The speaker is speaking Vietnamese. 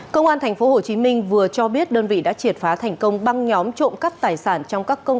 công an tp hcm vừa cho biết đơn vị đã triệt phá thành công băng nhóm trộm cắt tài sản